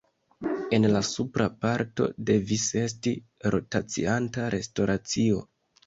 En la supra parto devis esti rotacianta restoracio.